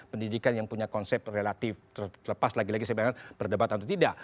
pendidikan yang punya konsep relatif terlepas lagi lagi saya bilang berdebat atau tidak